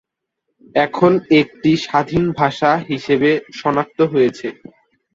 এখন এটি স্বাধীন ভাষা হিসেবে শনাক্ত হয়েছে।